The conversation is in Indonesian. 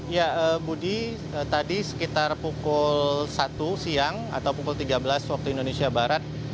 ya budi tadi sekitar pukul satu siang atau pukul tiga belas waktu indonesia barat